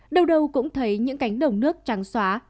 đâu đâu cũng thấy những cánh đồng nước trắng xóa